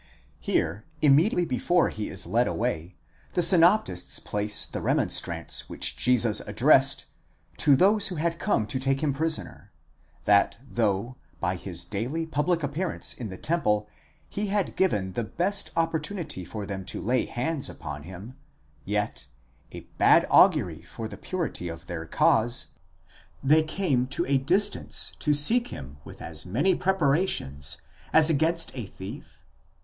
Here, immediately before he is led away, the synoptists place the remon strance which Jesus addressed to those who had come to take him prisoner : that though, by his daily public appearance in the temple he had given the best opportunity for them to lay hands upon him, yet—a bad augury for the purity of their cause—they came to a distance to seek him with as many preparations, as against a thief?